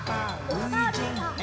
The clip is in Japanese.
おさるさん。